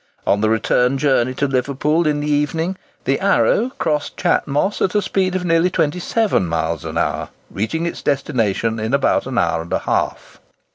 On the return journey to Liverpool in the evening, the "Arrow" crossed Chat Moss at a speed of nearly 27 miles an hour, reaching its destination in about an hour and a half.